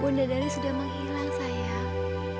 bunda dari sudah menghilang sayang